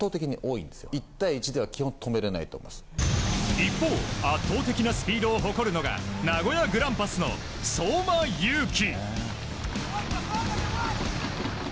一方圧倒的なスピードを誇るのが名古屋グランパスの相馬勇紀。